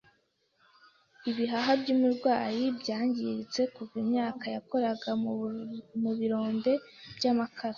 Ibihaha by'umurwayi byangiritse kuva imyaka yakoraga mu birombe by'amakara.